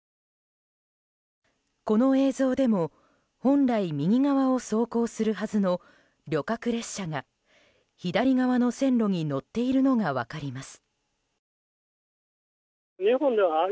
この映像でも本来右側を走行するはずの旅客列車が、左側の線路に乗っているのが分かります。